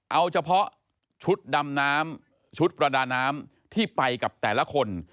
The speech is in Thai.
เอาเฉพาะชุดดำน้ำชุดประดาน้ำที่ไปกับแต่ละคน